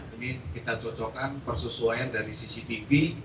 ini kita cocokkan persesuaian dari cctv